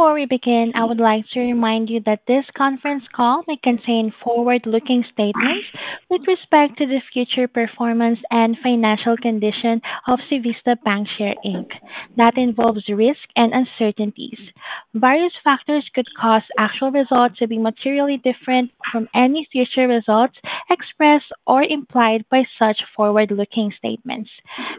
Before we begin, I would like to remind you that this conference call may contain forward-looking statements with respect to the future performance and financial condition of Civista Bancshares, Inc. That involve risk and uncertainties. Various factors could cause actual results to be materially different from any future results expressed or implied by such forward-looking statements.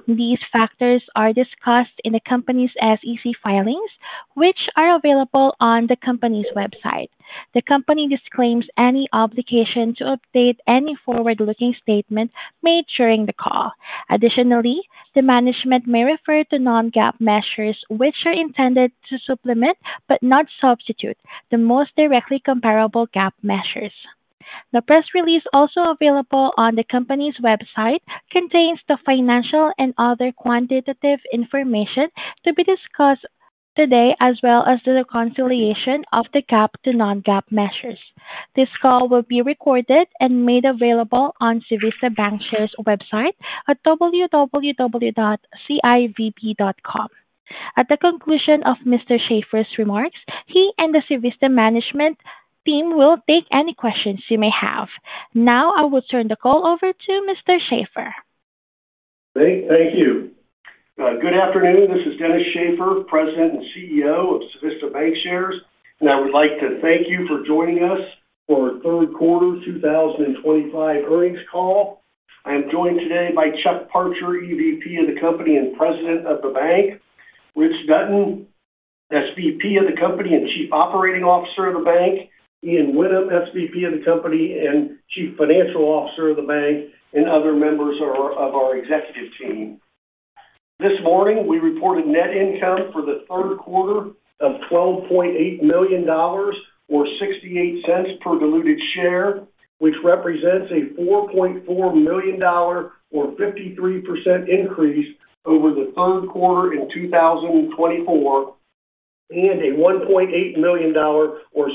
These factors are discussed in the company's SEC filings, which are available on the company's website. The company disclaims any obligation to update any forward-looking statement made during the call. Additionally, the management may refer to non-GAAP measures which are intended to supplement but not substitute the most directly comparable GAAP measures. The press release also available on the company's website contains the financial and other quantitative information to be discussed today, as well as the reconciliation of the GAAP to non-GAAP measures. This call will be recorded and made available on Civista Bancshares website at www.civb.com. At the conclusion of Mr. Shaffer's remarks, he and the Civista management team will take any questions you may have. Now, I will turn the call over to Mr. Shaffer. Great, thank you. Good afternoon, this is Dennis Shaffer, President and CEO of Civista Bancshares, and I would like to thank you for joining us for our third quarter 2025 earnings call. I am joined today by Chuck Parcher, EVP of the company and President of the bank, Rich Dutton, SVP of the company and Chief Operating Officer of the bank, Ian Whinnem, SVP of the company and Chief Financial Officer of the bank, and other members of our executive team. This morning, we reported net income for the third quarter of $12.8 million, or $0.68 per diluted share, which represents a $4.4 million or 53% increase over the third quarter in 2024, and a $1.8 million or 16%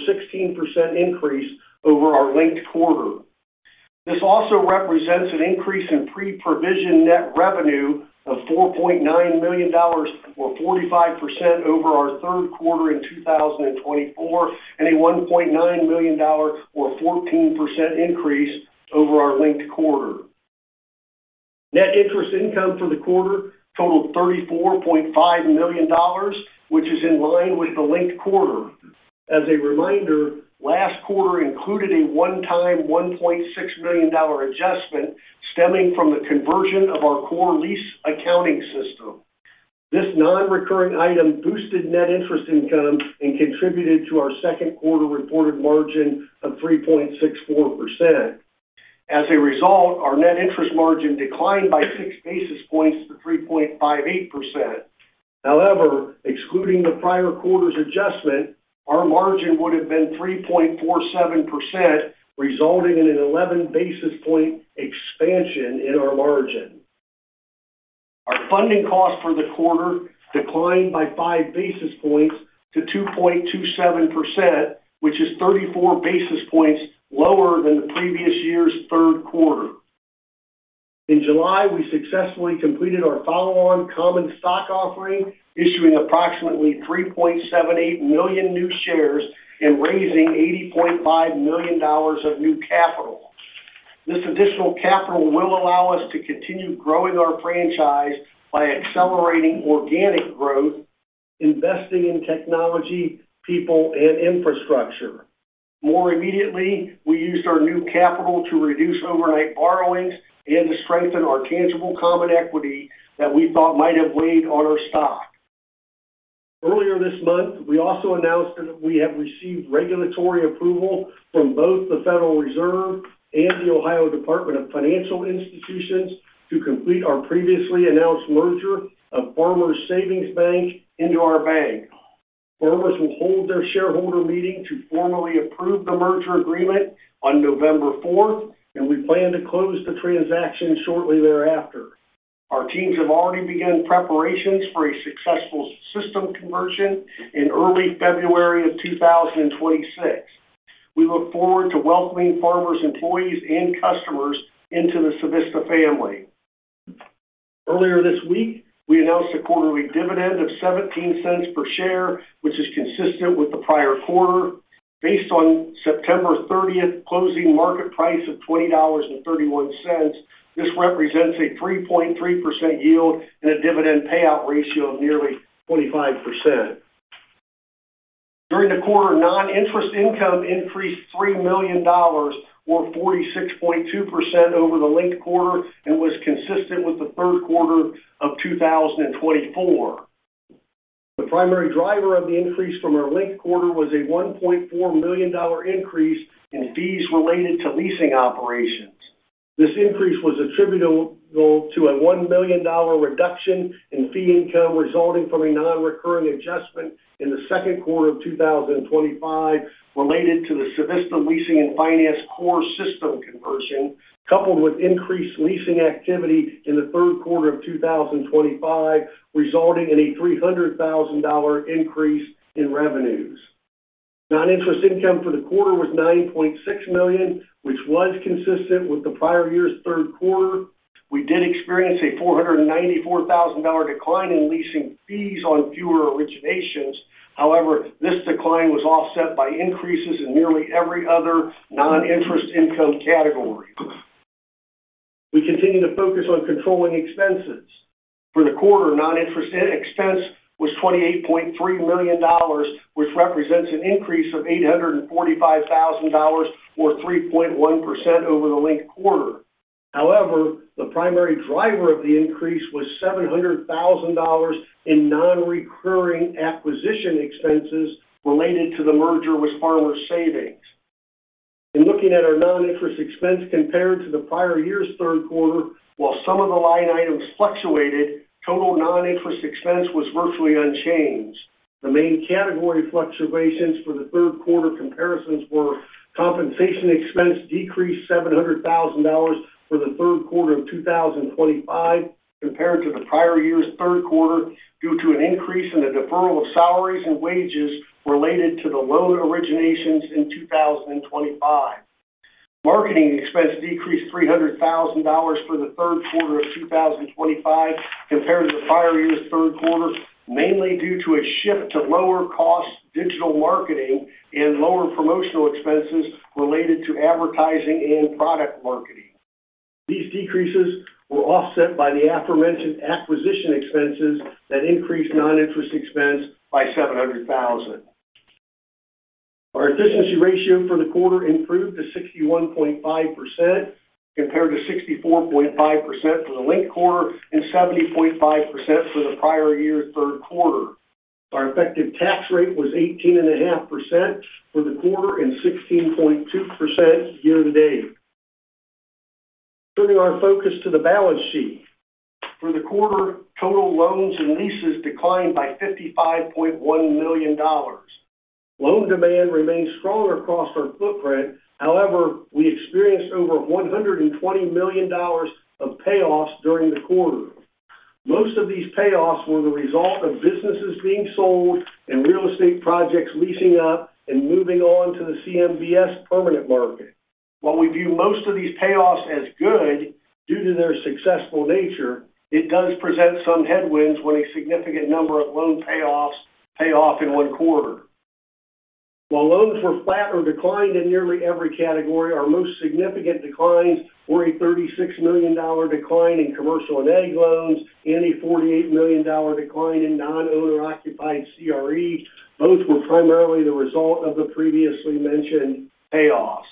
increase over our linked quarter. This also represents an increase in pre-provision net revenue of $4.9 million or 45% over our third quarter in 2024, and a $1.9 million or 14% increase over our linked quarter. Net interest income for the quarter totaled $34.5 million, which is in line with the linked quarter. As a reminder, last quarter included a one-time $1.6 million adjustment stemming from the conversion of our core lease accounting system. This non-recurring item boosted net interest income and contributed to our second quarter reported margin of 3.64%. As a result, our net interest margin declined by 6 basis points to 3.58%. However, excluding the prior quarter's adjustment, our margin would have been 3.47%, resulting in an 11 basis point expansion in our margin. Our funding cost for the quarter declined by 5 basis points to 2.27%, which is 34 basis points lower than the previous year's third quarter. In July, we successfully completed our follow-on common stock offering, issuing approximately 3.78 million new shares and raising $80.5 million of new capital. This additional capital will allow us to continue growing our franchise by accelerating organic growth, investing in technology, people, and infrastructure. More immediately, we used our new capital to reduce overnight borrowings and to strengthen our tangible common equity that we thought might have weighed on our stock. Earlier this month, we also announced that we have received regulatory approval from both the Federal Reserve and the Ohio Department of Financial Institutions to complete our previously announced merger of Farmers Savings Bank into our bank. Farmers will hold their shareholder meeting to formally approve the merger agreement on November 4th, and we plan to close the transaction shortly thereafter. Our teams have already begun preparations for a successful system conversion in early February of 2026. We look forward to welcoming Farmers employees and customers into the Civista family. Earlier this week, we announced a quarterly dividend of $0.17 per share, which is consistent with the prior quarter. Based on September 30th closing market price of $20.31, this represents a 3.3% yield and a dividend payout ratio of nearly 25%. During the quarter, non-interest income increased $3 million, or 46.2% over the linked quarter, and was consistent with the third quarter of 2024. The primary driver of the increase from our linked quarter was a $1.4 million increase in fees related to leasing operations. This increase was attributable to a $1 million reduction in fee income resulting from a non-recurring adjustment in the second quarter of 2025 related to the Civista Leasing & Finance core system conversion, coupled with increased leasing activity in the third quarter of 2025, resulting in a $300,000 million increase in revenues. Non-interest income for the quarter was $9.6 million, which was consistent with the prior year's third quarter. We did experience a $494,000 decline in leasing fees on fewer originations. However, this decline was offset by increases in nearly every other non-interest income category. We continue to focus on controlling expenses. For the quarter, non-interest expense was $28.3 million, which represents an increase of $845,000 or 3.1% over the linked quarter. However, the primary driver of the increase was $700,000 in non-recurring acquisition expenses related to the merger with Farmers Savings. In looking at our non-interest expense compared to the prior year's third quarter, while some of the line items fluctuated, total non-interest expense was virtually unchanged. The main category fluctuations for the third quarter comparisons were compensation expense decreased $700,000 for the third quarter of 2025 compared to the prior year's third quarter due to an increase in the deferral of salaries and wages related to the loan originations in 2025. Marketing expense decreased $300,000 for the third quarter of 2025 compared to the prior year's third quarter, mainly due to a shift to lower-cost digital marketing and lower promotional expenses related to advertising and product marketing. These decreases were offset by the aforementioned acquisition expenses that increased non-interest expense by $700,000. Our efficiency ratio for the quarter improved to 61.5% compared to 64.5% for the linked quarter and 70.5% for the prior year's third quarter. Our effective tax rate was 18.5% for the quarter and 16.2% year-to-date. Turning our focus to the balance sheet, for the quarter, total loans and leases declined by $55.1 million. Loan demand remains strong across our footprint. However, we experienced over $120 million of payoffs during the quarter. Most of these payoffs were the result of businesses being sold and real estate projects leasing up and moving on to the CMBS permanent market. While we view most of these payoffs as good due to their successful nature, it does present some headwinds when a significant number of loan payoffs pay off in one quarter. While loans were flat or declined in nearly every category, our most significant declines were a $36 million decline in commercial and ag loans and a $48 million decline in non-owner occupied CREs, both were primarily the result of the previously mentioned payoffs.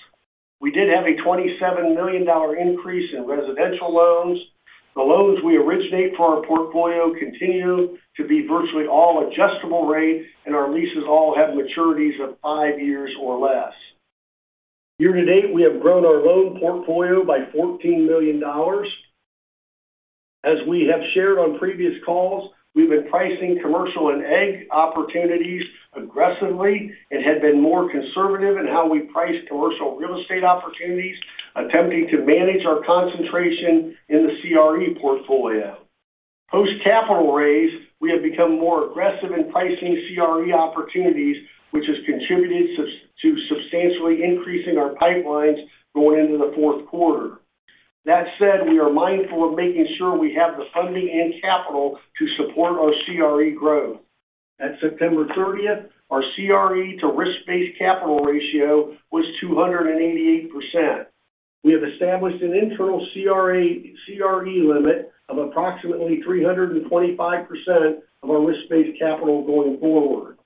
We did have a $27 million increase in residential loans. The loans we originate for our portfolio continue to be virtually all adjustable rate, and our leases all have maturities of five years or less. Year-to-date, we have grown our loan portfolio by $14 million. As we have shared on previous calls, we've been pricing commercial and ag opportunities aggressively and had been more conservative in how we price commercial real estate opportunities, attempting to manage our concentration in the CRE portfolio. Post-capital raise, we have become more aggressive in pricing CRE opportunities, which has contributed to substantially increasing our pipelines going into the fourth quarter. That said, we are mindful of making sure we have the funding and capital to support our CRE growth. At September 30th, our CRE to risk-based capital ratio was 288%. We have established an internal CRE limit of approximately 325% of our risk-based capital going forward.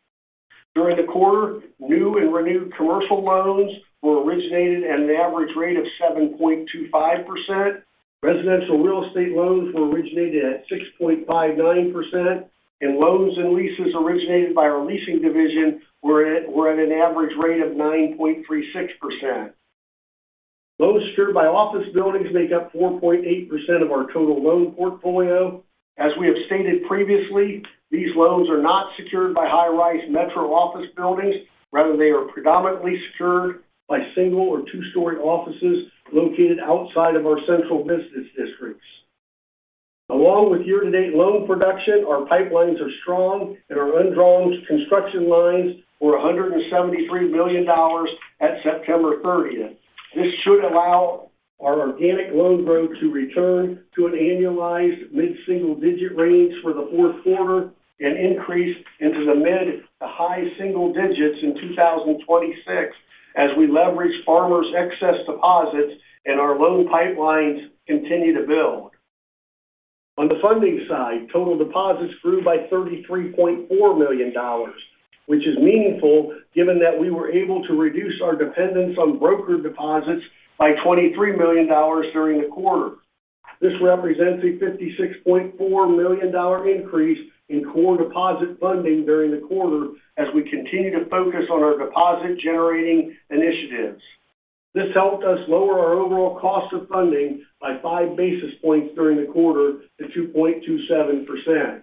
During the quarter, new and renewed commercial loans were originated at an average rate of 7.25%. Residential real estate loans were originated at 6.59%, and loans and leases originated by our leasing division were at an average rate of 9.36%. Loans secured by office buildings make up 4.8% of our total loan portfolio. As we have stated previously, these loans are not secured by high-rise metro office buildings. Rather, they are predominantly secured by single or two-story offices located outside of our central business districts. Along with year-to-date loan production, our pipelines are strong and our undrawn construction lines were $173 million at September 30th. This should allow our organic loan growth to return to an annualized mid-single-digit range for the fourth quarter and increase into the mid to high single digits in 2026 as we leverage Farmers' excess deposits and our loan pipelines continue to build. On the funding side, total deposits grew by $33.4 million, which is meaningful given that we were able to reduce our dependence on brokered funds by $23 million during the quarter. This represents a $56.4 million increase in core deposit funding during the quarter as we continue to focus on our deposit-generating initiatives. This helped us lower our overall cost of funding by 5 basis points during the quarter to 2.27%.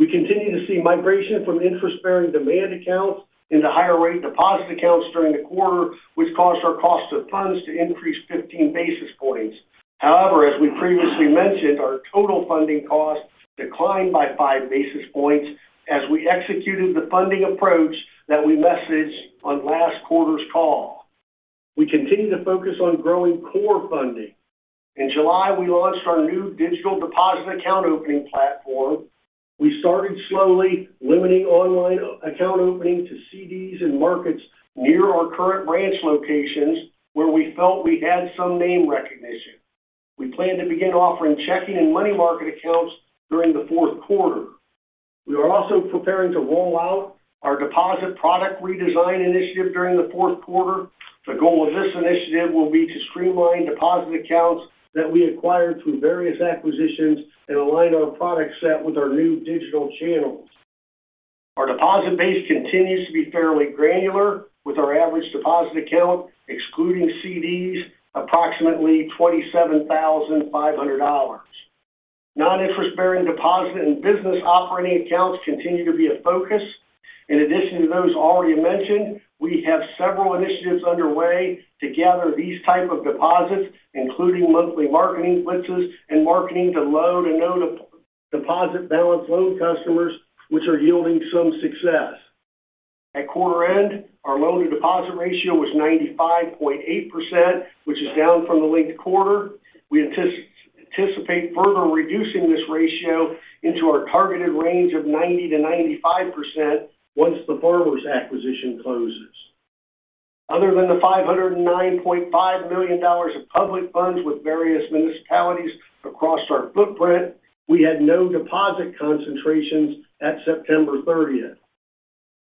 We continue to see migration from interest-bearing demand accounts into higher-rate deposit accounts during the quarter, which caused our cost of funds to increase 15 basis points. However, as we previously mentioned, our total funding cost declined by 5 basis points as we executed the funding approach that we messaged on last quarter's call. We continue to focus on growing core funding. In July, we launched our new digital deposit account opening platform. We started slowly, limiting online account opening to CDs and markets near our current branch locations where we felt we had some name recognition. We plan to begin offering checking and money market accounts during the fourth quarter. We are also preparing to roll out our deposit product redesign initiative during the fourth quarter. The goal of this initiative will be to streamline deposit accounts that we acquired through various acquisitions and align our product set with our new digital channels. Our deposit base continues to be fairly granular, with our average deposit account, excluding CDs, approximately $27,500. Non-interest-bearing deposit and business operating accounts continue to be a focus. In addition to those already mentioned, we have several initiatives underway to gather these types of deposits, including monthly marketing blitzes and marketing to low and no deposit balance customers, which are yielding some success. At quarter end, our loan-to-deposit ratio was 95.8%, which is down from the linked quarter. We anticipate further reducing this ratio into our targeted range of 90%-95% once the Farmers acquisition closes. Other than the $509.5 million of public funds with various municipalities across our footprint, we had no deposit concentrations at September 30th.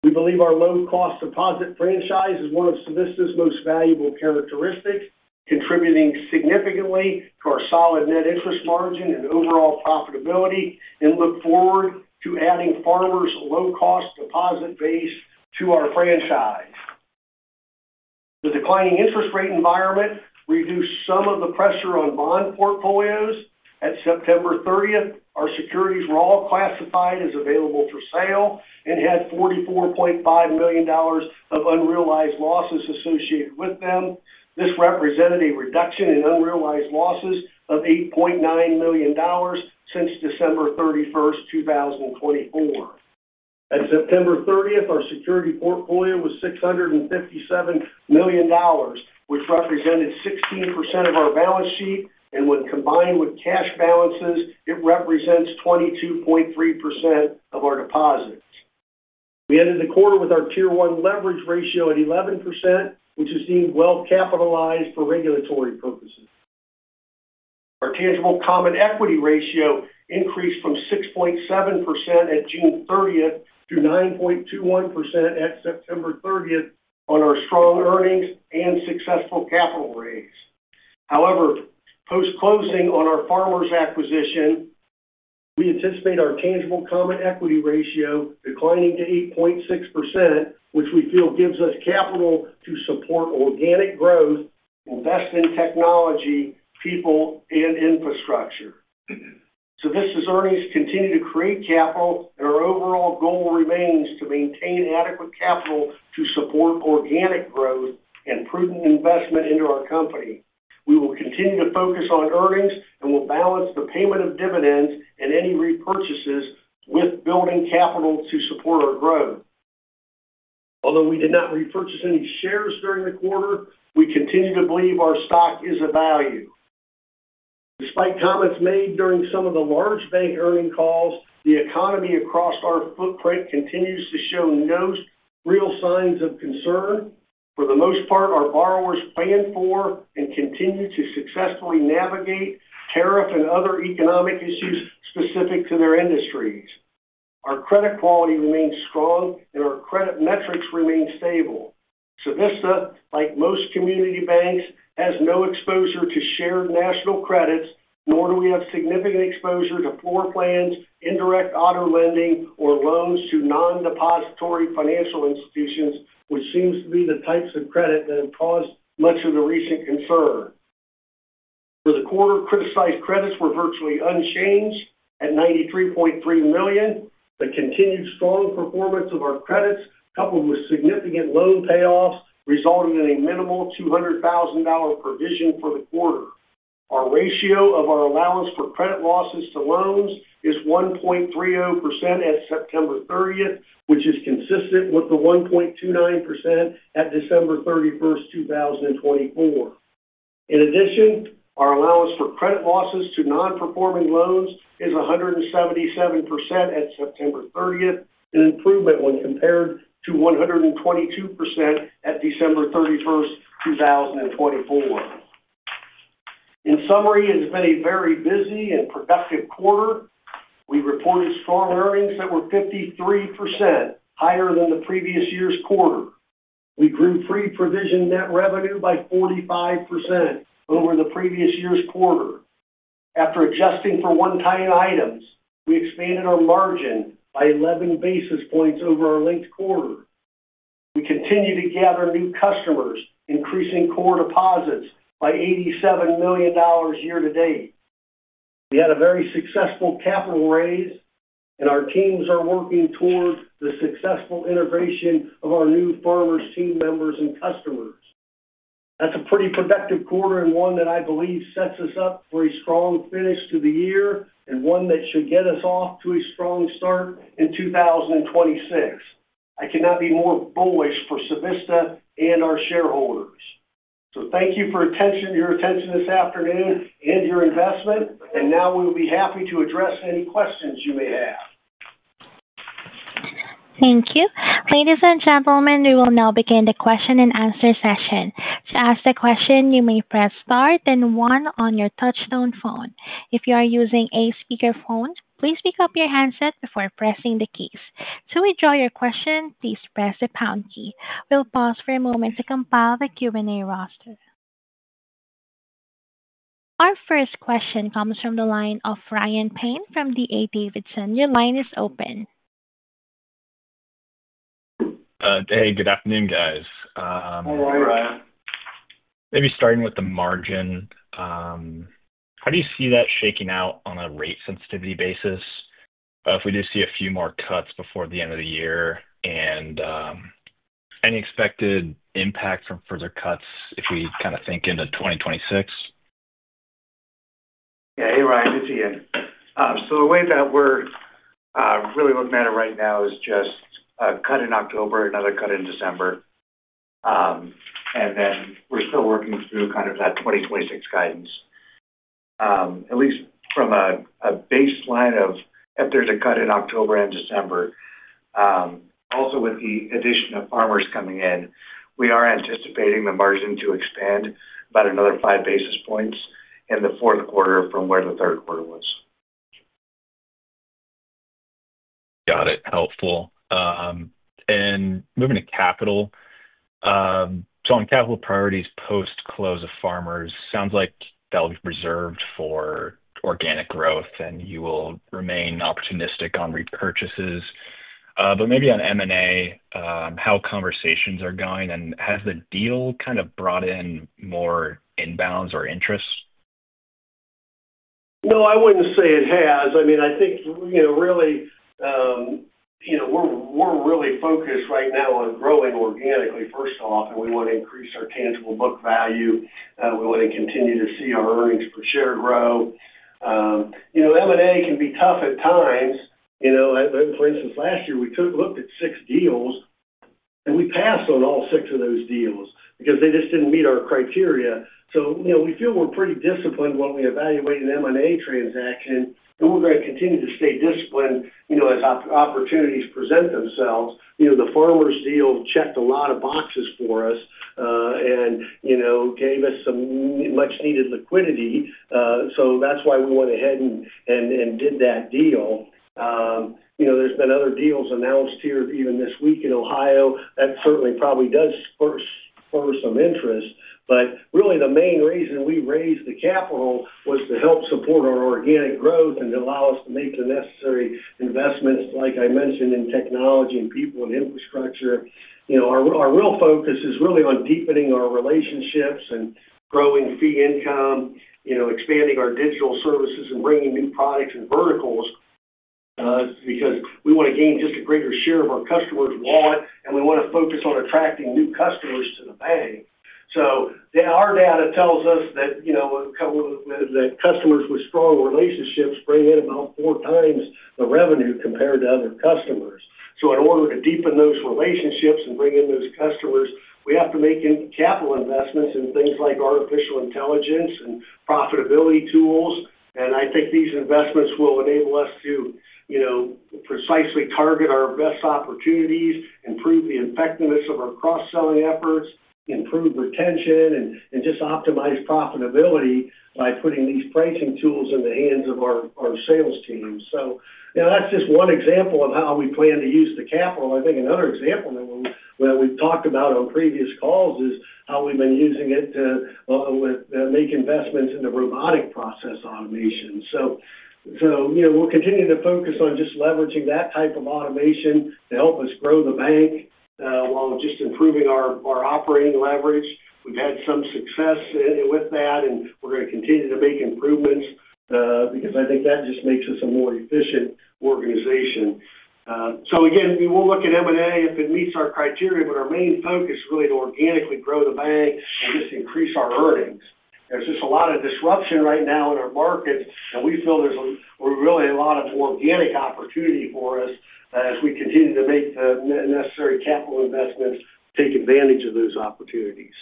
We believe our low-cost deposit franchise is one of Civista's most valuable characteristics, contributing significantly to our solid net interest margin and overall profitability, and look forward to adding Farmers' low-cost deposit base to our franchise. The declining interest rate environment reduced some of the pressure on bond portfolios. At September 30th, our securities were all classified as available for sale and had $44.5 million of unrealized losses associated with them. This represented a reduction in unrealized losses of $8.9 million since December 31st, 2024. At September 30th, our security portfolio was $657 million, which represented 16% of our balance sheet, and when combined with cash balances, it represents 22.3% of our deposits. We ended the quarter with our tier one leverage ratio at 11%, which is deemed well capitalized for regulatory purposes. Our tangible common equity ratio increased from 6.7% at June 30th to 9.21% at September 30th on our strong earnings and successful capital raise. However, post-closing on our Farmers acquisition, we anticipate our tangible common equity ratio declining to 8.6%, which we feel gives us capital to support organic growth, invest in technology, people, and infrastructure. Civista's earnings continue to create capital, and our overall goal remains to maintain adequate capital to support organic growth and prudent investment into our company. We will continue to focus on earnings and will balance the payment of dividends and any repurchases with building capital to support our growth. Although we did not repurchase any shares during the quarter, we continue to believe our stock is of value. Despite comments made during some of the large bank earning calls, the economy across our footprint continues to show no real signs of concern. For the most part, our borrowers plan for and continue to successfully navigate tariff and other economic issues specific to their industries. Our credit quality remains strong and our credit metrics remain stable. Civista, like most community banks, has no exposure to shared national credits, nor do we have significant exposure to floor plans, indirect auto lending, or loans to non-depository financial institutions, which seems to be the types of credit that have caused much of the recent concern. For the quarter, criticized credits were virtually unchanged at $93.3 million. The continued strong performance of our credits, coupled with significant loan payoffs, resulted in a minimal $200,000 provision for the quarter. Our ratio of our allowance for credit losses to loans is 1.30% at September 30th, which is consistent with the 1.29% at December 31st, 2024. In addition, our allowance for credit losses to non-performing loans is 177% at September 30th, an improvement when compared to 122% at December 31st, 2024. In summary, it has been a very busy and productive quarter. We reported strong earnings that were 53% higher than the previous year's quarter. We grew pre-provision net revenue by 45% over the previous year's quarter. After adjusting for one-time items, we expanded our margin by 11 basis points over our linked quarter. We continue to gather new customers, increasing core deposits by $87 million year-to-date. We had a very successful capital raise, and our teams are working toward the successful integration of our new Farmers team members and customers. That is a pretty productive quarter and one that I believe sets us up for a strong finish to the year and one that should get us off to a strong start in 2026. I cannot be more bullish for Civista and our shareholders. Thank you for your attention this afternoon and your investment, and now we'll be happy to address any questions you may have. Thank you. Ladies and gentlemen, we will now begin the question and answer session. To ask a question, you may press star then one on your touch-tone phone. If you are using a speakerphone, please pick up your handset before pressing the keys. To withdraw your question, please press the pound key. We'll pause for a moment to compile the Q&A roster. Our first question comes from the line of Ryan Payne from D.A. Davidson. Your line is open. Hey, good afternoon, guys. Hi, Ryan. Maybe starting with the margin, how do you see that shaking out on a rate sensitivity basis? If we do see a few more cuts before the end of the year, and any expected impact from further cuts if we kind of think into 2026? Yeah, hey, Ryan, this is Ian. The way that we're really looking at it right now is just a cut in October, another cut in December, and then we're still working through kind of that 2026 guidance. At least from a baseline of if there's a cut in October and December. Also, with the addition of Farmers coming in, we are anticipating the margin to expand about another 5 basis points in the fourth quarter from where the third quarter was. Got it. Helpful. Moving to capital, on capital priorities post-close of Farmers, sounds like that'll be reserved for organic growth, and you will remain opportunistic on repurchases. Maybe on M&A, how conversations are going, and has the deal kind of brought in more inbounds or interest? No, I wouldn't say it has. I mean, I think, you know, really, we're really focused right now on growing organically, first off, and we want to increase our tangible book value. We want to continue to see our earnings per share grow. M&A can be tough at times. For instance, last year, we looked at six deals, and we passed on all six of those deals because they just didn't meet our criteria. We feel we're pretty disciplined when we evaluate an M&A transaction, and we're going to continue to stay disciplined as opportunities present themselves. The Farmers deal checked a lot of boxes for us and gave us some much-needed liquidity. That's why we went ahead and did that deal. There have been other deals announced here even this week in Ohio that certainly probably do spur some interest. Really, the main reason we raised the capital was to help support our organic growth and allow us to make the necessary investments, like I mentioned, in technology and people and infrastructure. Our real focus is really on deepening our relationships and growing fee income, expanding our digital services and bringing new products and verticals, because we want to gain just a greater share of our customers' wallet, and we want to focus on attracting new customers to the bank. Our data tells us that customers with strong relationships bring in about four times the revenue compared to other customers. In order to deepen those relationships and bring in those customers, we have to make capital investments in things like artificial intelligence and profitability tools. I think these investments will enable us to precisely target our best opportunities, improve the effectiveness of our cross-selling efforts, improve retention, and just optimize profitability by putting these pricing tools in the hands of our sales teams. That's just one example of how we plan to use the capital. I think another example that we've talked about on previous calls is how we've been using it to make investments into robotic process automation. We'll continue to focus on just leveraging that type of automation to help us grow the bank, while just improving our operating leverage. We've had some success with that, and we're going to continue to make improvements, because I think that just makes us a more efficient organization. Again, we will look at M&A if it meets our criteria, but our main focus is really to organically grow the bank and just increase our earnings. There's just a lot of disruption right now in our markets, and we feel there's really a lot of organic opportunity for us as we continue to make the necessary capital investments to take advantage of those opportunities.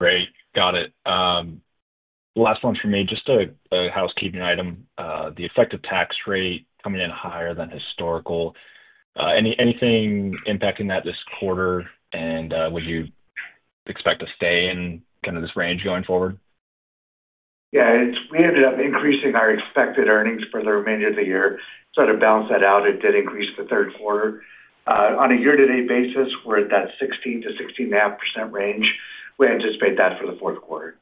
Great. Got it. The last one for me, just a housekeeping item. The effective tax rate coming in higher than historical. Anything impacting that this quarter? Would you expect to stay in kind of this range going forward? Yeah, we ended up increasing our expected earnings for the remainder of the year. To balance that out, it did increase the third quarter. On a year-to-date basis, we're at that 16%-16.5% range. We anticipate that for the fourth quarter.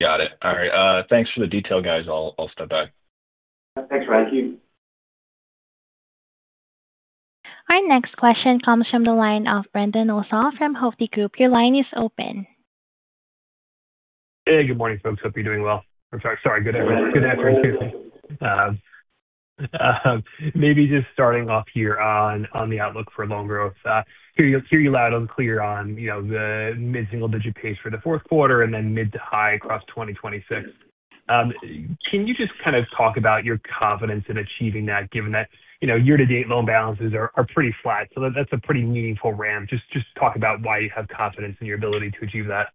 Got it. All right. Thanks for the detail, guys. I'll step back. Thanks, Ryan. Thank you. Our next question comes from the line of Brendan Nosal from Hovde Group. Your line is open. Good afternoon. Maybe just starting off here on the outlook for loan growth. I hear you loud and clear on the mid-single-digit pace for the fourth quarter and then mid to high across 2026. Can you just kind of talk about your confidence in achieving that, given that year-to-date loan balances are pretty flat? That's a pretty meaningful ramp. Just talk about why you have confidence in your ability to achieve that.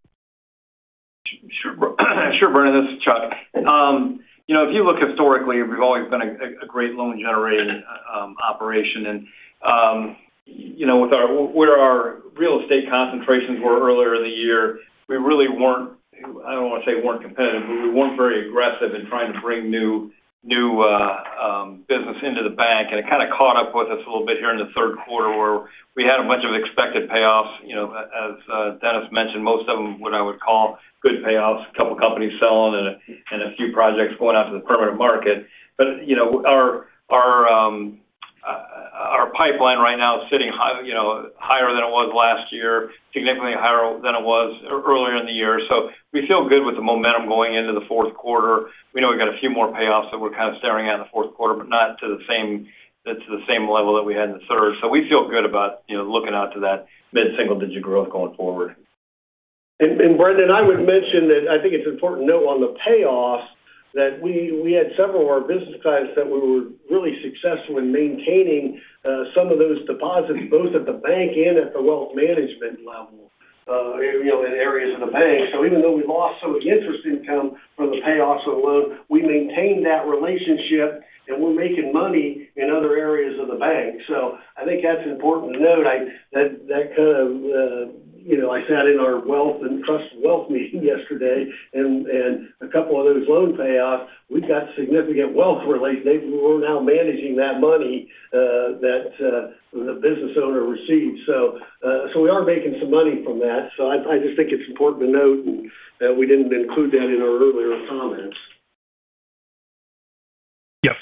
Sure, Brendan. This is Chuck. You know, if you look historically, we've always been a great loan-generating operation. You know, with where our real estate concentrations were earlier in the year, we really weren't, I don't want to say weren't competitive, but we weren't very aggressive in trying to bring new business into the bank. It kind of caught up with us a little bit here in the third quarter where we had a bunch of expected payoffs. As Dennis mentioned, most of them, what I would call good payoffs, a couple of companies selling and a few projects going out to the permanent market. You know, our pipeline right now is sitting high, higher than it was last year, significantly higher than it was earlier in the year. We feel good with the momentum going into the fourth quarter. We know we got a few more payoffs that we're kind of staring at in the fourth quarter, but not to the same level that we had in the third. We feel good about looking out to that mid-single-digit growth going forward. Brendan, I would mention that I think it's important to note on the payoffs that we had several of our business clients that we were really successful in maintaining some of those deposits, both at the bank and at the wealth management level, in areas of the bank. Even though we lost some of the interest income from the payoffs of the loan, we maintained that relationship and we're making money in other areas of the bank. I think that's important to note. I sat in our wealth and trust wealth meeting yesterday and a couple of those loan payoffs, we've got significant wealth related. We're now managing that money that the business owner received. We are making some money from that. I just think it's important to note that we didn't include that in our earlier comments. Yep.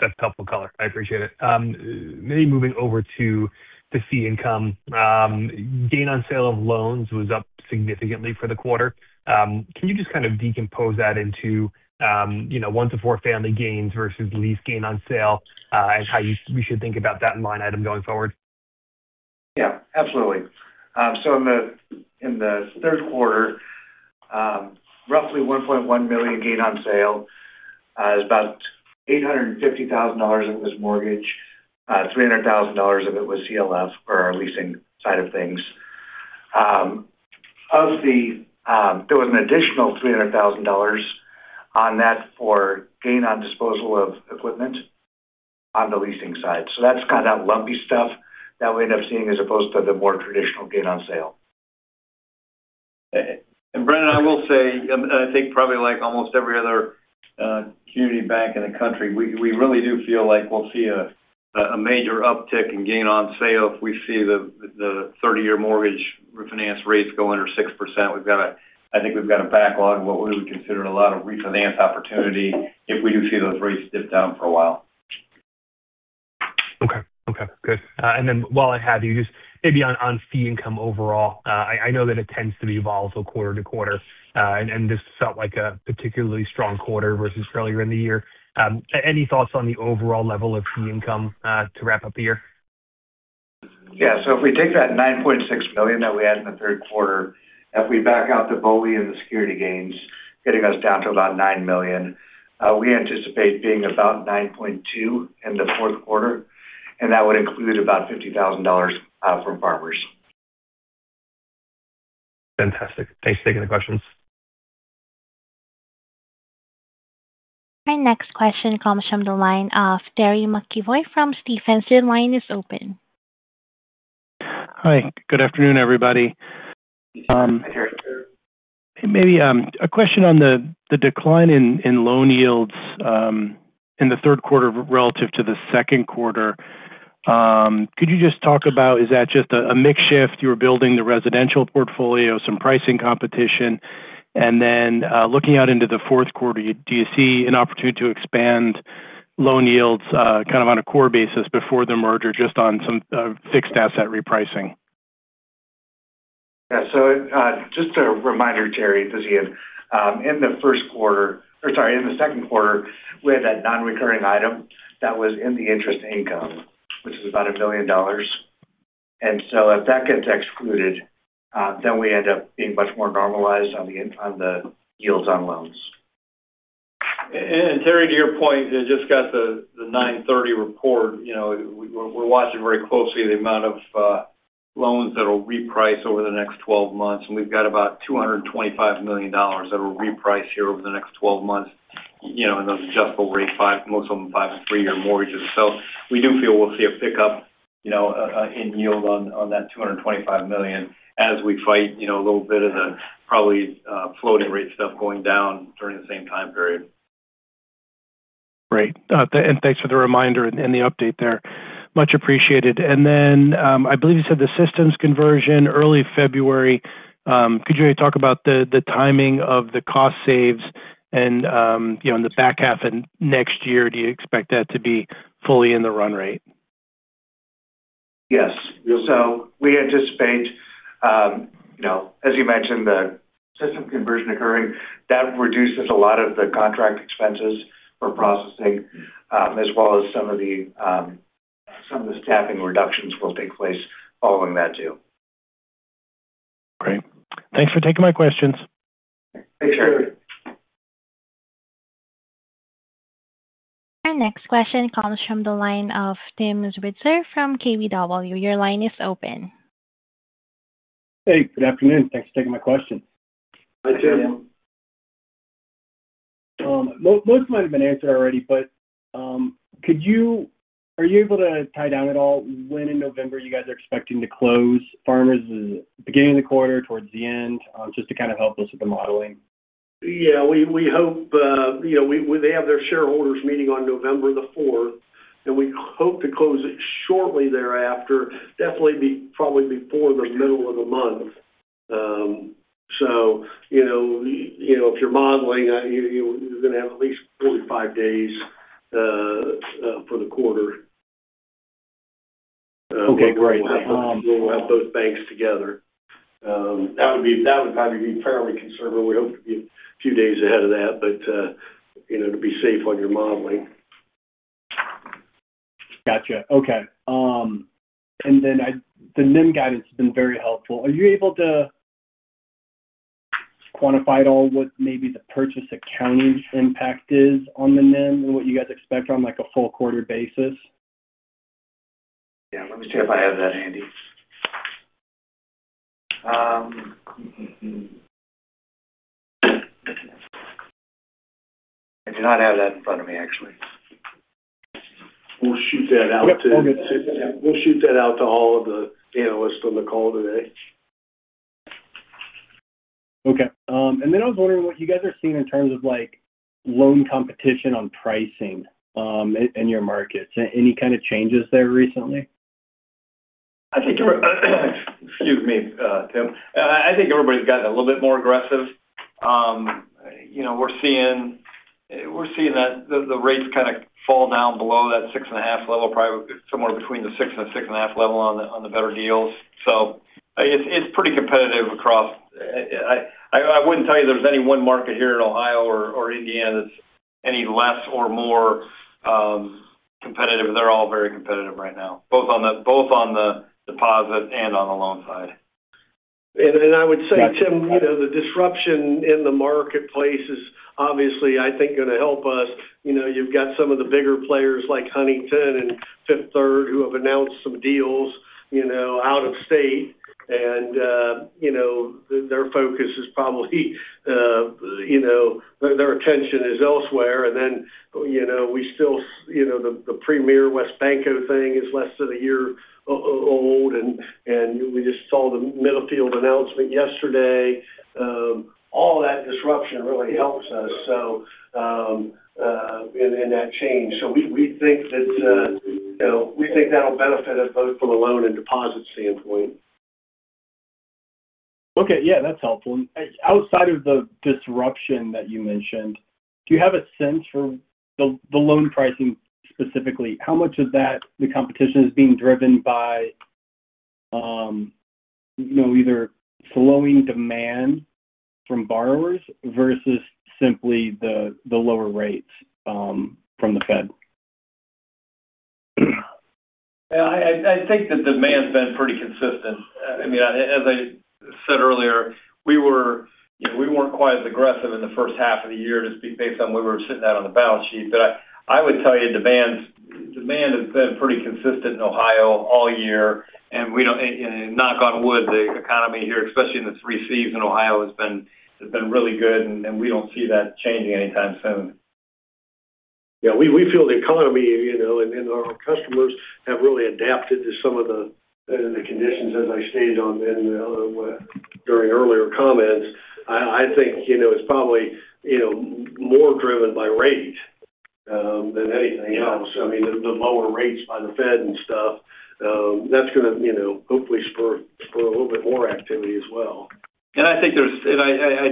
That's a helpful call. I appreciate it. Maybe moving over to the fee income. Gain on sale of loans was up significantly for the quarter. Can you just kind of decompose that into, you know, one to four family gains versus lease gain on sale and how you should think about that in line item going forward? Yeah, absolutely. In the third quarter, roughly $1.1 million gain on sale. It was about $850,000 if it was mortgage, $300,000 if it was CLF or our leasing side of things. There was an additional $300,000 on that for gain on disposal of equipment on the leasing side. That's kind of that lumpy stuff that we end up seeing as opposed to the more traditional gain on sale. Brendan, I will say, I think probably like almost every other community bank in the country, we really do feel like we'll see a major uptick in gain on sale if we see the 30-year mortgage refinance rates go under 6%. We've got a backlog of what we would consider a lot of refinance opportunity if we do see those rates dip down for a while. Okay. Good. While I have you, just maybe on fee income overall, I know that it tends to be volatile quarter-to-quarter, and this felt like a particularly strong quarter versus earlier in the year. Any thoughts on the overall level of fee income to wrap up the year? If we take that $9.6 million that we had in the third quarter, if we back out the BOLI and the security gains, getting us down to about $9 million, we anticipate being about $9.2 million in the fourth quarter, and that would include about $50,000 from Farmers. Fantastic. Thanks for taking the questions. Our next question comes from the line of Terry McEvoy from Stephens. Your line is open. Hi. Good afternoon, everybody. Maybe a question on the decline in loan yields in the third quarter relative to the second quarter. Could you just talk about, is that just a mix shift? You were building the residential portfolio, some pricing competition, and then looking out into the fourth quarter, do you see an opportunity to expand loan yields kind of on a core basis before the merger, just on some fixed asset repricing? Yeah, just a reminder, Terry, this is Ian. In the second quarter, we had that non-recurring item that was in the interest income, which is about $1 billion. If that gets excluded, we end up being much more normalized on the yields on loans. Terry, to your point, I just got the 9/30 report. We're watching very closely the amount of loans that are repriced over the next 12 months, and we've got about $225 million that are repriced here over the next 12 months in those adjustable rates, most of them five and three-year mortgages. We do feel we'll see a pickup in yield on that $225 million as we fight a little bit of the probably floating rate stuff going down during the same time period. Great, thanks for the reminder and the update there. Much appreciated. I believe you said the systems conversion early February. Could you talk about the timing of the cost saves and, in the back half of next year, do you expect that to be fully in the run rate? Yes. We anticipate, as you mentioned, the system conversion occurring. That reduces a lot of the contract expenses for processing, as well as some of the staffing reductions will take place following that deal. Great. Thanks for taking my questions. Our next question comes from the line of Tim Switzer from KBW. Your line is open. Hey, good afternoon. Thanks for taking my question. Hi, Tim. Most of mine have been answered already, but could you, are you able to tie down at all when in November you guys are expecting to close Farmers? Is it the beginning of the quarter or towards the end, just to kind of help us with the modeling. Yeah, we hope, you know, they have their shareholders meeting on November the 4th, and we hope to close it shortly thereafter, definitely probably before the middle of the month. If you're modeling, you're going to have at least 45 days for the quarter, but we'll have both banks together. That would probably be fairly conservative. We hope to be a few days ahead of that, but, you know, to be safe on your modeling. Gotcha. Okay. The NIM guidance has been very helpful. Are you able to quantify at all what maybe the purchase accounting impact is on the NIM and what you guys expect on like a full quarter basis? Let me see if I have that handy. I do not have that in front of me, actually. We'll shoot that out to all of the analysts on the call today. Okay. I was wondering what you guys are seeing in terms of loan competition on pricing in your markets. Any kind of changes there recently? I think everybody's gotten a little bit more aggressive. We're seeing that the rates kind of fall down below that 6.5% level, probably somewhere between the 6% and 6.5% level on the better deals. It's pretty competitive across. I wouldn't tell you there's any one market here in Ohio or Indiana that's any less or more competitive. They're all very competitive right now, both on the deposit and on the loan side. I would say, Tim, the disruption in the marketplace is obviously, I think, going to help us. You've got some of the bigger players like Huntington and Fifth Third who have announced some deals out of state. Their focus is probably, their attention is elsewhere. We still, the premier West Banco thing is less than a year old. We just saw the Middlefield announcement yesterday. All that disruption really helps us in that change. We think that, we think that'll benefit us both from a loan and deposit standpoint. Okay, that's helpful. Outside of the disruption that you mentioned, do you have a sense for the loan pricing specifically, how much of that competition is being driven by either slowing demand from borrowers versus simply the lower rates from the Fed? Yeah, I think the demand's been pretty consistent. As I said earlier, we weren't quite as aggressive in the first half of the year just based on what we were sitting out on the balance sheet. I would tell you, demand has been pretty consistent in Ohio all year. We don't, knock on wood, the economy here, especially in the three C's in Ohio, has been really good. We don't see that changing anytime soon. Yeah, we feel the economy and our customers have really adapted to some of the conditions, as I stated in the earlier comments. I think it's probably more driven by rate than anything else. I mean, the lower rates by the Fed, that's going to hopefully spur a little bit more activity as well. I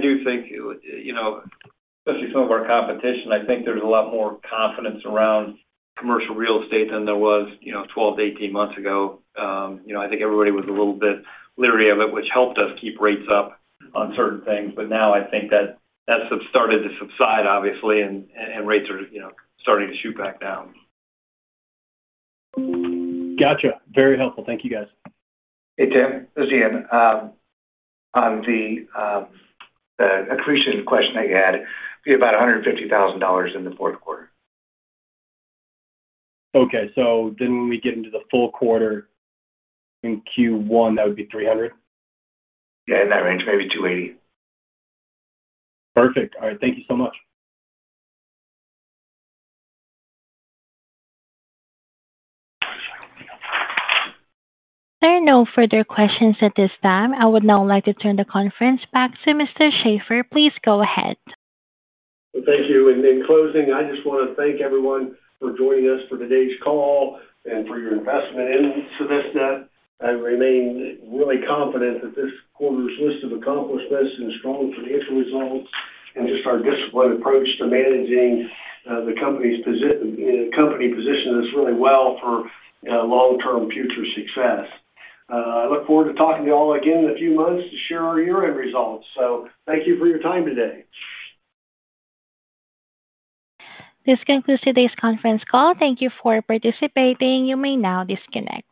do think, especially some of our competition, there's a lot more confidence around commercial real estate than there was 12 to 18 months ago. I think everybody was a little bit leery of it, which helped us keep rates up on certain things. Now I think that that's started to subside, obviously, and rates are starting to shoot back down. Gotcha. Very helpful. Thank you, guys. Hey, Tim. This is Ian. On the accretion question that you had, it'd be about $150,000 in the fourth quarter. Okay. We get into the full quarter in Q1, that would be $300? Yeah, in that range, maybe $280. Perfect. All right, thank you so much. There are no further questions at this time. I would now like to turn the conference back to Mr. Shaffer. Please go ahead. Thank you. In closing, I just want to thank everyone for joining us for today's call and for your investment in Civista. I remain really confident that this quarter's list of accomplishments and strong financial results and just our disciplined approach to managing the company's position, you know, positioned us really well for long-term future success. I look forward to talking to you all again in a few months to share our year-end results. Thank you for your time today. This concludes today's conference call. Thank you for participating. You may now disconnect.